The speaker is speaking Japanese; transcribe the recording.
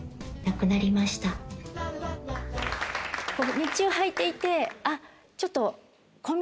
日中はいていてちょっと。